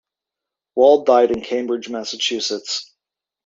Wald died in Cambridge, Massachusetts.